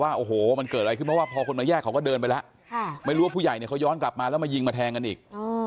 ว่าโอ้โหมันเกิดอะไรขึ้นเพราะว่าพอคนมาแยกเขาก็เดินไปแล้วไม่รู้ว่าผู้ใหญ่เนี่ยเขาย้อนกลับมาแล้วมายิงมาแทงกันอีก